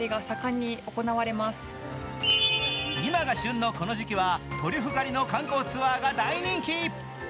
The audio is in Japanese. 今が旬のこの時期はトリュフ狩りの観光ツアーが大人気。